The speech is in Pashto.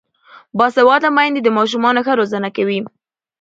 باسواده میندې د ماشومانو ښه روزنه کوي.